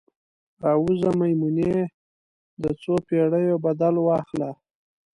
راووځه میمونۍ، د څوپیړیو بدل واخله